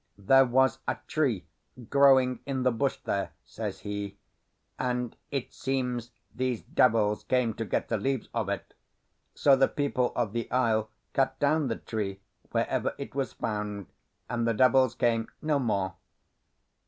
"There was a tree growing in the bush there," says he, "and it seems these devils came to get the leaves of it. So the people of the isle cut down the tree wherever it was found, and the devils came no more."